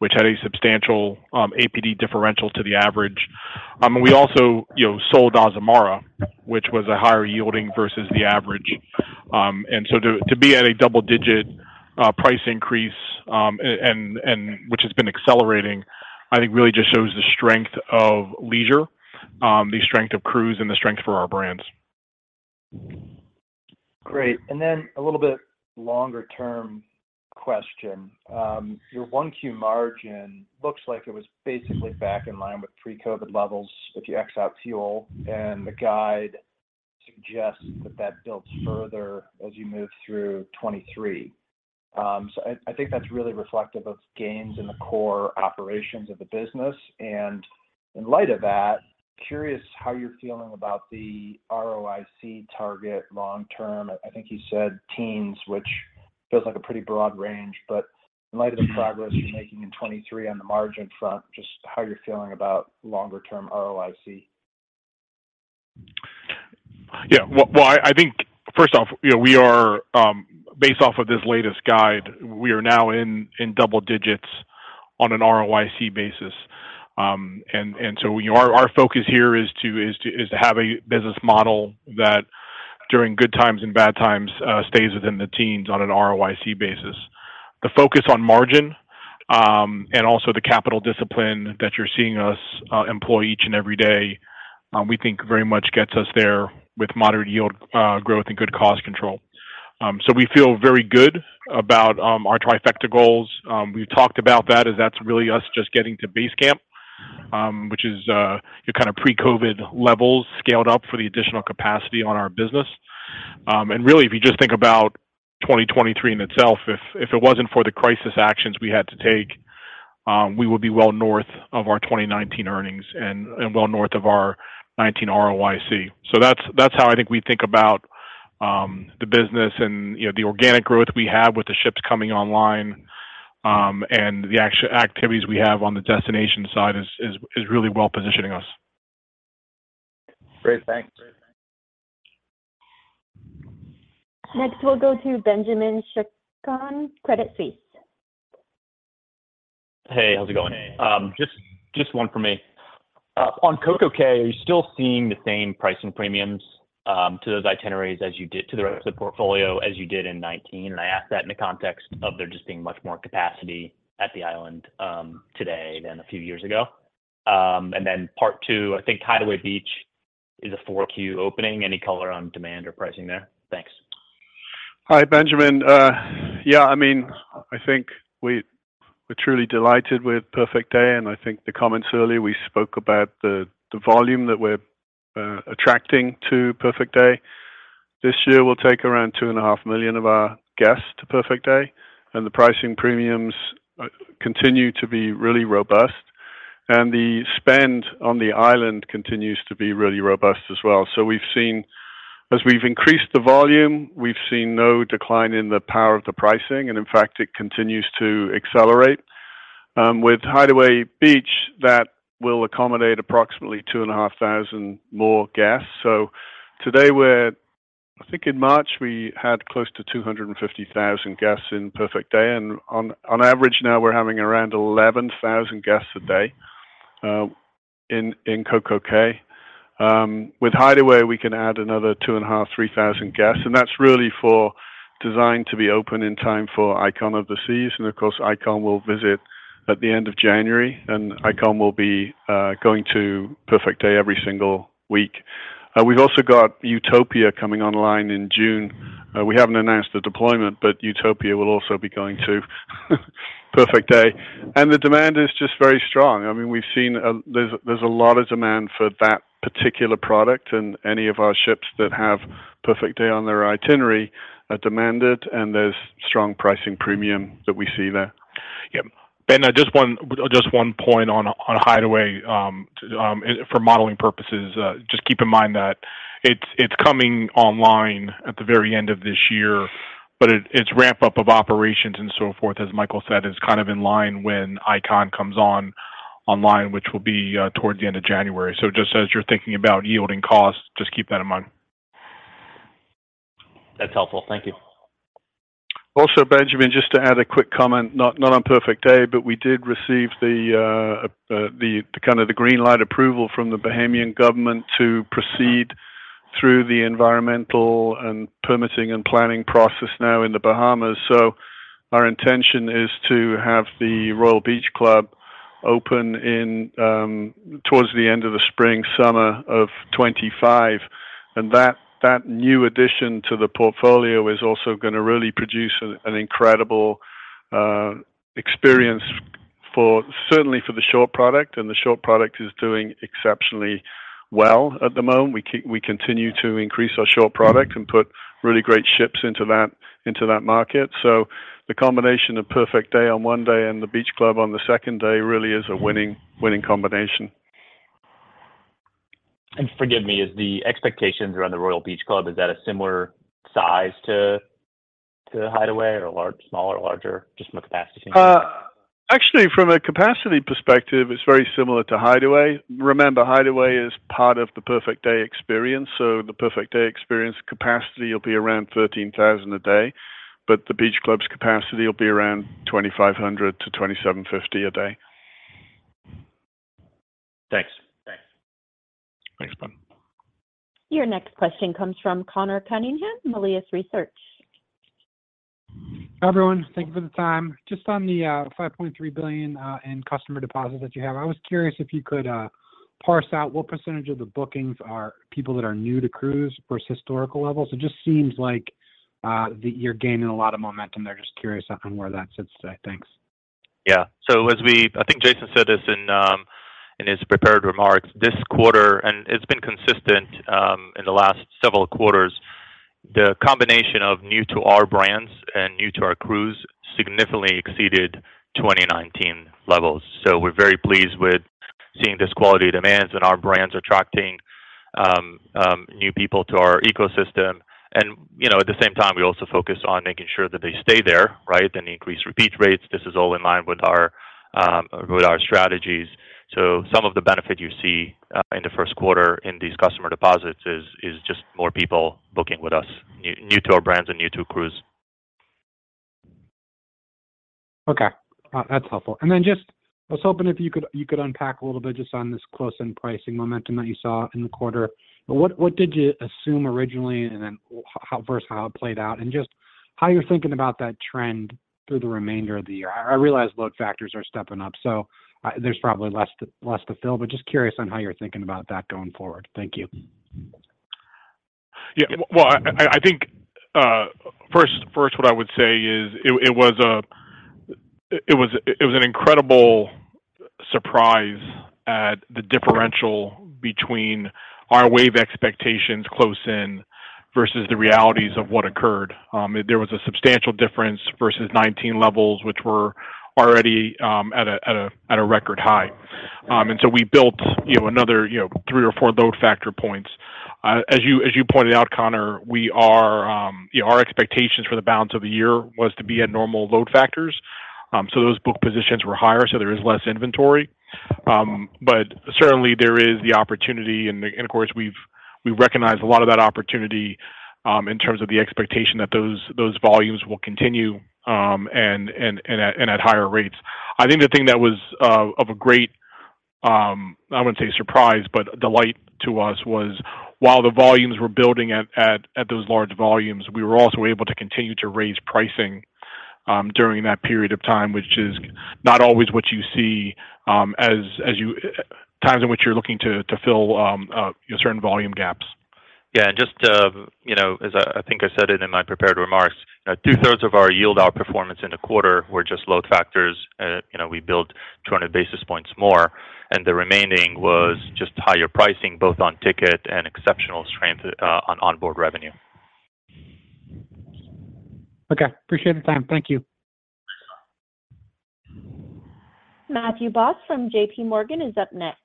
which had a substantial APD differential to the average. We also, you know, sold Azamara, which was a higher yielding versus the average. To be at a double-digit price increase, and which has been accelerating, I think really just shows the strength of leisure, the strength of cruise, and the strength for our brands. Great. Then a little bit longer-term question. Your 1Q margin looks like it was basically back in line with pre-COVID levels if you x out fuel, the guide suggests that that builds further as you move through 2023. I think that's really reflective of gains in the core operations of the business. In light of that, curious how you're feeling about the ROIC target long term. I think you said teens, which feels like a pretty broad range. In light of the progress you're making in 2023 on the margin front, just how you're feeling about longer-term ROIC. Well, I think first off, you know, we are, based off of this latest guide, we are now in double digits on an ROIC basis. Our focus here is to have a business model that during good times and bad times, stays within the teens on an ROIC basis. The focus on margin, and also the capital discipline that you're seeing us employ each and every day, we think very much gets us there with moderate yield growth and good cost control. We feel very good about our Trifecta goals. We've talked about that as that's really us just getting to base camp, which is your kind of pre-COVID levels scaled up for the additional capacity on our business. Really, if you just think about 2023 in itself, if it wasn't for the crisis actions we had to take, we would be well north of our 2019 earnings and well north of our 2019 ROIC. That's how I think we think about, the business and, you know, the organic growth we have with the ships coming online, and the activities we have on the destination side is really well positioning us. Great. Thanks. Next, we'll go to Benjamin Chaiken, Credit Suisse. Hey, how's it going? just one for me. on CocoCay, are you still seeing the same pricing premiums to those itineraries as you did to the rest of the portfolio as you did in 2019? I ask that in the context of there just being much more capacity at the island today than a few years ago. part two, I think Hideaway Beach is a 4Q opening. Any color on demand or pricing there? Thanks. Hi, Benjamin. Yeah, I mean, I think we're truly delighted with Perfect Day, and I think the comments earlier, we spoke about the volume that we're attracting to Perfect Day. This year, we'll take around 2.5 million of our guests to Perfect Day. The pricing premiums continue to be really robust, and the spend on the island continues to be really robust as well. We've seen, as we've increased the volume, no decline in the power of the pricing, and in fact, it continues to accelerate. With Hideaway Beach, that will accommodate approximately 2,500 more guests. Today we're I think in March, we had close to 250,000 guests in Perfect Day. On average now we're having around 11,000 guests a day in CocoCay. With Hideaway, we can add another 2,500, 3,000 guests, and that's really for design to be open in time for Icon of the Seas. Icon will visit at the end of January, and Icon will be going to Perfect Day every single week. We've also got Utopia coming online in June. We haven't announced the deployment, but Utopia will also be going to Perfect Day. The demand is just very strong. I mean, we've seen there's a lot of demand for that particular product and any of our ships that have Perfect Day on their itinerary are demanded, and there's strong pricing premium that we see there. Yeah. Ben, just one point on Hideaway for modeling purposes. Just keep in mind that it's coming online at the very end of this year, but it's ramp-up of operations and so forth, as Michael said, is kind of in line when Icon comes online, which will be towards the end of January. Just as you're thinking about yield and cost, just keep that in mind. That's helpful. Thank you. Benjamin Chaiken, just to add a quick comment, not on Perfect Day, but we did receive the kind of the green light approval from the Bahamian government to proceed through the environmental and permitting and planning process now in the Bahamas. Our intention is to have the Royal Beach Club open in towards the end of the spring, summer of 25. That new addition to the portfolio is also gonna really produce an incredible experience for certainly for the shore product, and the shore product is doing exceptionally well at the moment. We continue to increase our shore product and put really great ships into that, into that market. The combination of Perfect Day on one day and the Beach Club on the second day really is a winning combination. forgive me, is the expectations around the Royal Beach Club, is that a similar size to Hideaway or smaller or larger, just from a capacity standpoint? Actually, from a capacity perspective, it's very similar to Hideaway. Remember, Hideaway is part of the Perfect Day experience. The Perfect Day experience capacity will be around 13,000 a day. The Beach Club's capacity will be around 2,500 to 2,750 a day. Thanks. Thanks. Thanks, Ben. Your next question comes from Conor Cunningham, Melius Research. Hi, everyone. Thank you for the time. Just on the $5.3 billion in customer deposits that you have, I was curious if you could parse out what % of the bookings are people that are new to cruise versus historical levels. It just seems like that you're gaining a lot of momentum there. Just curious on where that sits today. Thanks. I think Jason said this in his prepared remarks. This quarter, it's been consistent in the last several quarters, the combination of new to our brands and new to our cruise significantly exceeded 2019 levels. We're very pleased with seeing this quality demands and our brands attracting new people to our ecosystem. You know, at the same time, we also focus on making sure that they stay there, right? Increase repeat rates. This is all in line with our with our strategies. Some of the benefit you see in the Q1 in these customer deposits is just more people booking with us, new to our brands and new to cruise. Okay. That's helpful. Then just I was hoping if you could unpack a little bit just on this close-in pricing momentum that you saw in the quarter. What did you assume originally and then how versus how it played out? Just how you're thinking about that trend through the remainder of the year. I realize load factors are stepping up, so, there's probably less to fill, but just curious on how you're thinking about that going forward. Thank you. Yeah. Well, I think, first, what I would say is it was an incredible surprise at the differential between our wave expectations close in versus the realities of what occurred. There was a substantial difference versus 19 levels, which were already at a record high. We built, you know, another, you know, 3 or 4 load factor points. As you pointed out, Connor, we are, our expectations for the balance of the year was to be at normal load factors. Those book positions were higher, so there is less inventory. Certainly there is the opportunity, and of course, we've, we recognize a lot of that opportunity, in terms of the expectation that those volumes will continue, and at higher rates. I think the thing that was of a great, I wouldn't say surprise, but delight to us was while the volumes were building at those large volumes, we were also able to continue to raise pricing during that period of time, which is not always what you see. Times in which you're looking to fill certain volume gaps. Yeah. Just to, you know, as I think I said it in my prepared remarks. Two-thirds of our yield outperformance in the quarter were just load factors. you know, we built 200 basis points more, and the remaining was just higher pricing, both on ticket and exceptional strength, on onboard revenue. Okay. Appreciate the time. Thank you. Matthew Boss from J.P. Morgan is up next.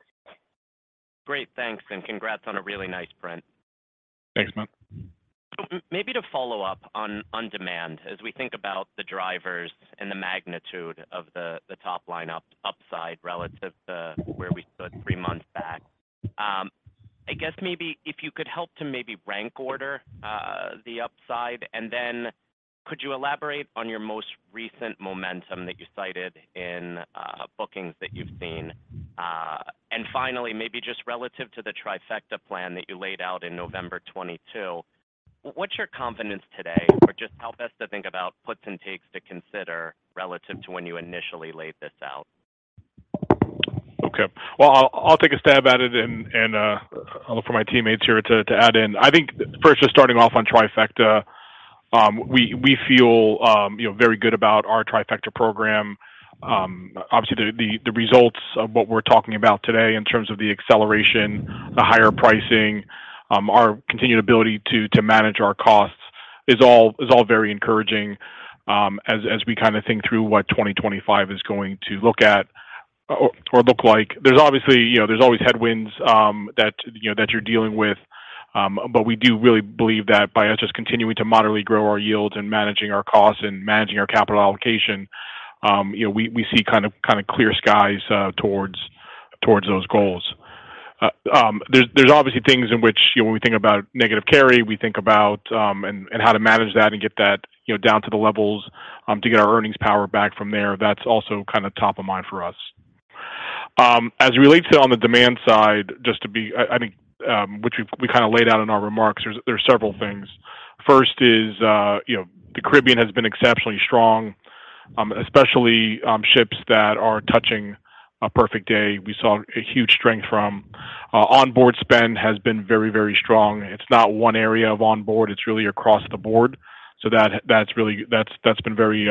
Great, thanks, and congrats on a really nice print. Thanks, Matt. Maybe to follow up on demand, as we think about the drivers and the magnitude of the top line upside relative to where we stood 3 months back. I guess maybe if you could help to maybe rank order the upside, could you elaborate on your most recent momentum that you cited in bookings that you've seen? Finally, maybe just relative to the Trifecta plan that you laid out in November 2022, what's your confidence today or just help us to think about puts and takes to consider relative to when you initially laid this out? Okay. Well, I'll take a stab at it and I'll look for my teammates here to add in. I think first, just starting off on Trifecta, we feel, you know, very good about our Trifecta program. Obviously the results of what we're talking about today in terms of the acceleration, the higher pricing, our continued ability to manage our costs is all very encouraging, as we kind of think through what 2025 is going to look at or look like. There's obviously, you know, there's always headwinds that, you know, that you're dealing with, but we do really believe that by us just continuing to moderately grow our yields and managing our costs and managing our capital allocation, you know, we see kind of clear skies towards those goals. There's obviously things in which when we think about negative carry, we think about, and how to manage that and get that, you know, down to the levels to get our earnings power back from there. That's also kind of top of mind for us. As it relates to on the demand side, I think, which we kind of laid out in our remarks, there's several things. First is, you know, the Caribbean has been exceptionally strong, especially, ships that are touching a Perfect Day. We saw a huge strength from, onboard spend has been very, very strong. It's not one area of onboard, it's really across the board. That's been very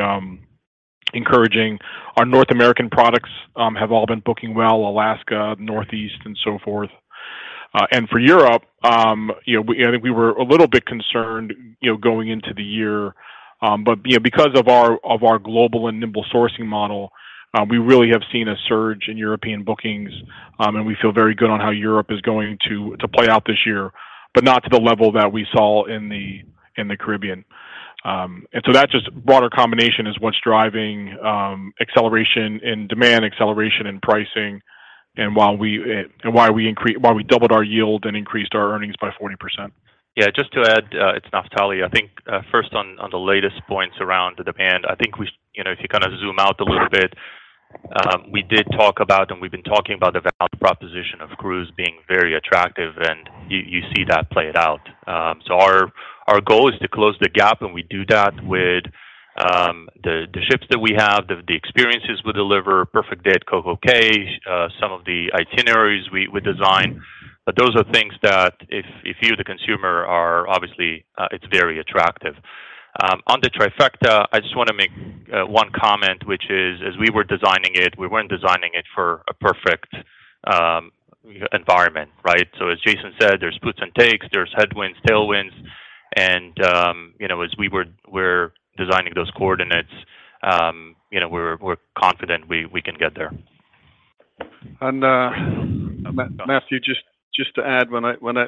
encouraging. Our North American products have all been booking well, Alaska, Northeast, and so forth. For Europe, you know, I think we were a little bit concerned, you know, going into the year, you know, because of our, of our global and nimble sourcing model, we really have seen a surge in European bookings, and we feel very good on how Europe is going to play out this year. Not to the level that we saw in the Caribbean. That just broader combination is what's driving acceleration in demand, acceleration in pricing, and why we doubled our yield and increased our earnings by 40%. Yeah, just to add, it's Naftali. I think, first on the latest points around the demand. I think we, you know, if you kind of zoom out a little bit, we did talk about and we've been talking about the value proposition of cruise being very attractive, and you see that play it out. Our goal is to close the gap, and we do that with the ships that we have, the experiences we deliver, Perfect Day at CocoCay, some of the itineraries we design. Those are things that if you, the consumer, are obviously, it's very attractive. On the Trifecta, I just wanna make one comment, which is, as we were designing it, we weren't designing it for a perfect environment, right? As Jason said, there's puts and takes, there's headwinds, tailwinds, and, you know, as we're designing those coordinates, you know, we're confident we can get there. Matthew, just to add, when I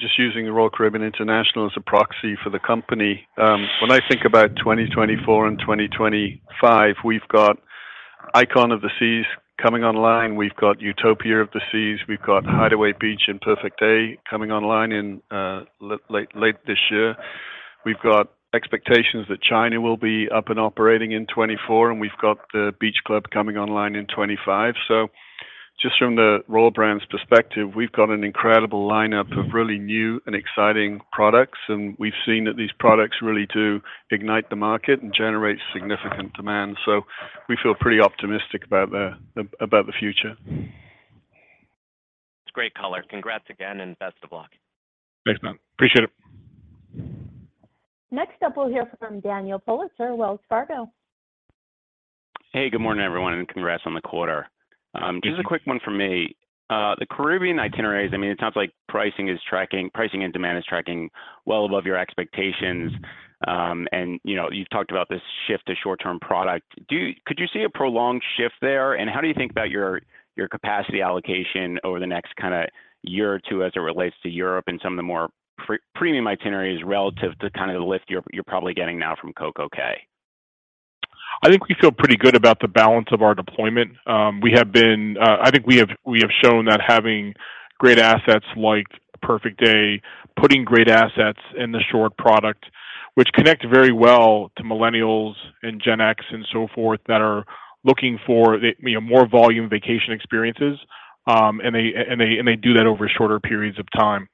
just using the Royal Caribbean International as a proxy for the company, when I think about 2024 and 2025, we've got Icon of the Seas coming online. We've got Utopia of the Seas. We've got Hideaway Beach and Perfect Day coming online in late this year. We've got expectations that China will be up and operating in 2024, and we've got the Beach Club coming online in 2025. Just from the Royal brands perspective, we've got an incredible lineup of really new and exciting products, and we've seen that these products really do ignite the market and generate significant demand. We feel pretty optimistic about the future. It's great color. Congrats again and best of luck. Thanks, man. Appreciate it. Next up, we'll hear from Daniel Politzer, Wells Fargo. Hey, good morning, everyone, and congrats on the quarter. Just a quick one from me. The Caribbean itineraries, I mean, it sounds like pricing and demand is tracking well above your expectations. You know, you've talked about this shift to short-term product. Could you see a prolonged shift there? And how do you think about your capacity allocation over the next kinda year or two as it relates to Europe and some of the more premium itineraries relative to kind of the lift you're probably getting now from CocoCay? I think we feel pretty good about the balance of our deployment. We have been, I think we have shown that having great assets like Perfect Day, putting great assets in the short product, which connect very well to Millennials and Gen X and so forth, that are looking for the, you know, more volume vacation experiences, and they do that over shorter periods of time.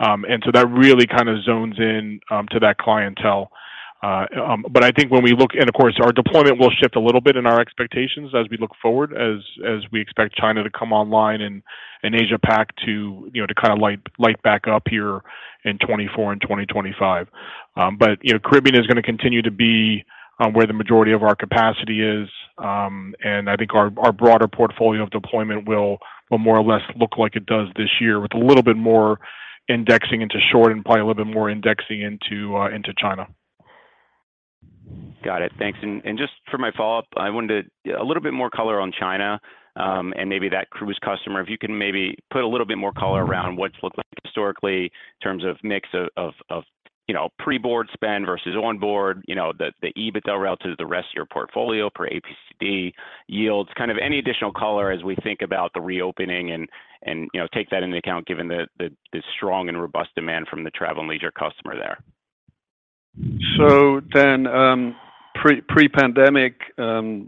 That really kind of zones in to that clientele. I think when we look... Of course, our deployment will shift a little bit in our expectations as we look forward, as we expect China to come online and Asia Pac to, you know, to kind of light back up here in 2024 and 2025. You know, Caribbean is gonna continue to be where the majority of our capacity is. I think our broader portfolio of deployment will more or less look like it does this year, with a little bit more indexing into short and probably a little bit more indexing into China. Got it. Thanks. Just for my follow-up, I wanted a little bit more color on China, and maybe that cruise customer. If you can maybe put a little bit more color around what's looked like historically in terms of mix of, you know, pre-board spend versus onboard, you know, the EBITDA relative to the rest of your portfolio per APCD yields. Kind of any additional color as we think about the reopening and, you know, take that into account given the strong and robust demand from the travel and leisure customer there. Pre-pandemic,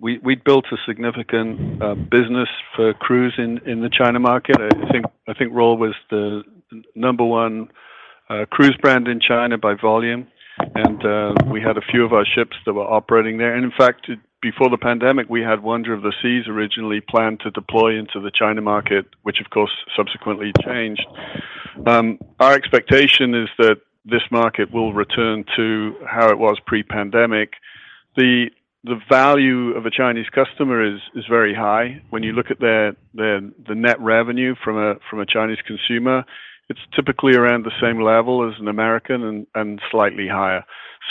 we'd built a significant business for cruise in the China market. I think Royal was the number one cruise brand in China by volume. We had a few of our ships that were operating there. In fact, before the pandemic, we had Wonder of the Seas originally planned to deploy into the China market, which of course subsequently changed. Our expectation is that this market will return to how it was pre-pandemic. The value of a Chinese customer is very high. When you look at their net revenue from a Chinese consumer, it's typically around the same level as an American and slightly higher.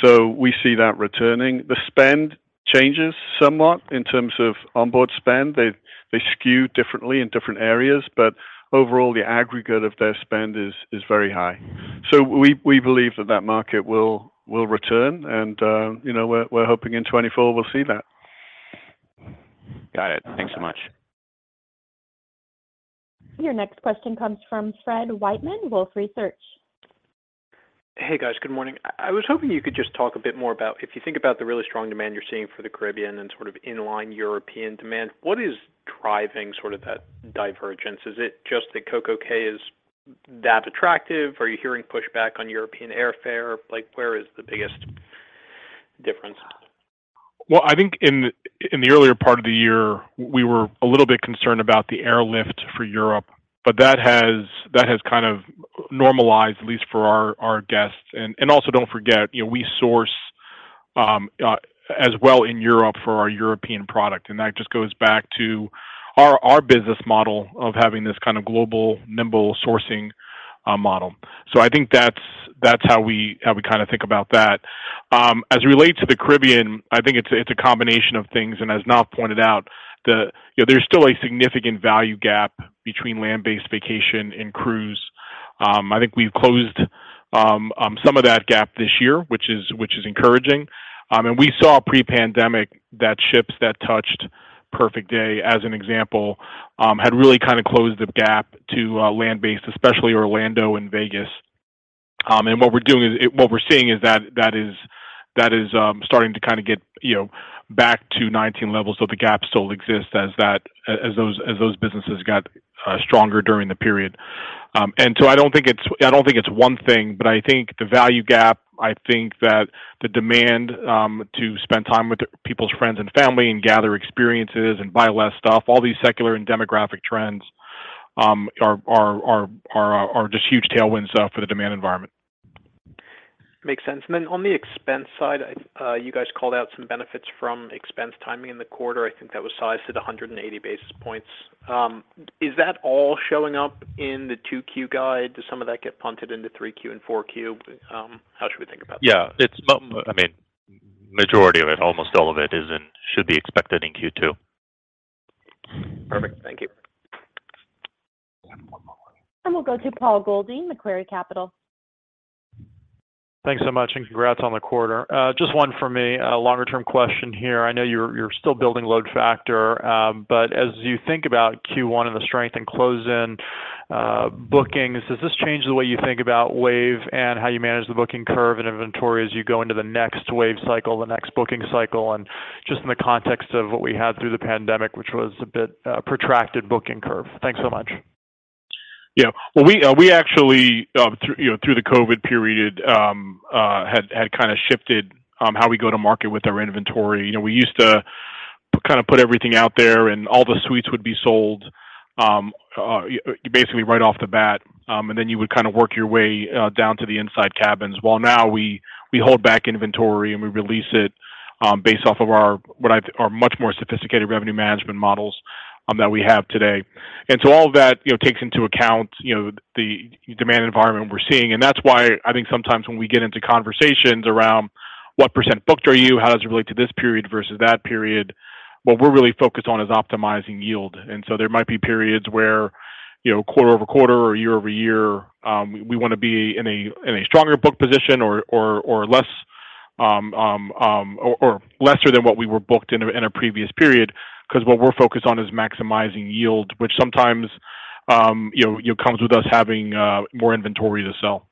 We see that returning. The spend changes somewhat in terms of onboard spend. They skew differently in different areas, but overall the aggregate of their spend is very high. We believe that market will return and, you know, we're hoping in 2024 we'll see that. Got it. Thanks so much. Your next question comes from Fred Wightman, Wolfe Research. Hey, guys. Good morning. I was hoping you could just talk a bit more about if you think about the really strong demand you're seeing for the Caribbean and sort of inline European demand, what is driving sort of that divergence? Is it just that CocoCay is that attractive? Are you hearing pushback on European airfare? Like, where is the biggest difference? Well, I think in the earlier part of the year, we were a little bit concerned about the airlift for Europe, but that has kind of normalized, at least for our guests. Also don't forget, you know, we source as well in Europe for our European product, and that just goes back to our business model of having this kind of global nimble sourcing model. I think that's how we kinda think about that. As it relates to the Caribbean, I think it's a combination of things. As Naftali pointed out, You know, there's still a significant value gap between land-based vacation and cruise. I think we've closed some of that gap this year, which is encouraging. We saw pre-pandemic that ships that touched Perfect Day, as an example, had really kind of closed the gap to land-based, especially Orlando and Vegas. What we're seeing is that starting to kinda get, you know, back to 19 levels, so the gap still exists as those businesses got stronger during the period. I don't think it's, I don't think it's one thing, but I think the value gap, I think that the demand, to spend time with people's friends and family and gather experiences and buy less stuff, all these secular and demographic trends, are just huge tailwinds for the demand environment. Makes sense. On the expense side, you guys called out some benefits from expense timing in the quarter. I think that was sized at 180 basis points. Is that all showing up in the 2Q guide? Does some of that get punted into 3Q and 4Q? How should we think about that? It's I mean, majority of it, almost all of it should be expected in Q2. Perfect. Thank you. We'll go to Paul Golding, Macquarie Capital. Thanks so much, and congrats on the quarter. Just one for me, a longer-term question here. I know you're still building load factor, but as you think about Q1 and the strength and close in bookings, does this change the way you think about wave and how you manage the booking curve and inventory as you go into the next wave cycle, the next booking cycle, and just in the context of what we had through the pandemic, which was a bit protracted booking curve? Thanks so much. Yeah. Well, we actually, through, you know, through the COVID period, had kinda shifted how we go to market with our inventory. You know, we used to kind of put everything out there, and all the suites would be sold basically right off the bat, and then you would kinda work your way down to the inside cabins. While now we hold back inventory and we release it based off of our much more sophisticated revenue management models that we have today. All of that, you know, takes into account, you know, the demand environment we're seeing. That's why I think sometimes when we get into conversations around what % booked are you? How does it relate to this period versus that period? What we're really focused on is optimizing yield. There might be periods where, you know, quarter-over-quarter or year-over-year, we wanna be in a, in a stronger book position or less, or lesser than what we were booked in a, in a previous period. 'Cause what we're focused on is maximizing yield, which sometimes, you know, comes with us having more inventory to sell.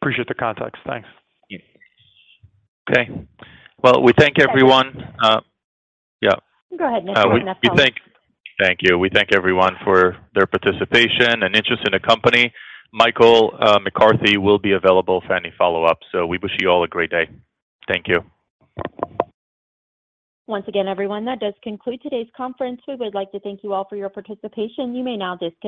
Appreciate the context. Thanks. Yeah. Okay. Well, we thank everyone. Yeah. Go ahead and. We thank- That's all. Thank you. We thank everyone for their participation and interest in the company. Michael McCarthy will be available for any follow-up. We wish you all a great day. Thank you. Once again, everyone, that does conclude today's conference. We would like to thank you all for your participation. You may now disconnect.